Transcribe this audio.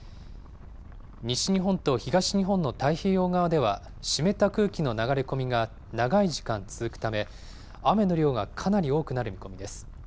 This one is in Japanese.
西日本と東日本の太平洋側では湿った空気の流れ込みが長い時間続くため、雨の量がかなり多くなる見込みです。